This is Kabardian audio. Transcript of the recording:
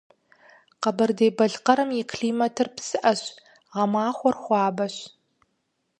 Къэбэрдей-Балъкъэрым и климатыр псыӏэщ, гъэмахуэр хуабэщ.